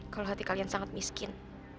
kalau hati kalian sangat miskin